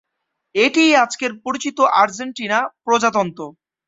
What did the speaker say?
এটিই আজকের পরিচিত আর্জেন্টিনা প্রজাতন্ত্র।